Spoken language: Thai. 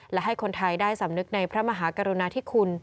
และให้คนไทยได้สำนึกในพระมหากรุณาธิคุณ